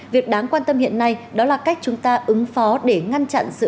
việc đáng quan tâm hiện nay đó là cách chúng ta ứng phó để ngăn chặn sự